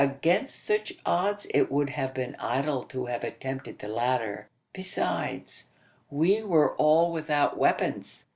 Against such odds it would have been idle to have attempted the latter: besides, we were all without weapons.